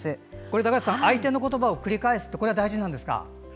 高橋さん、相手の言葉を繰り返すのが大事なんですか。